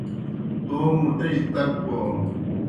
توموْ مُٹِجیْ تک بون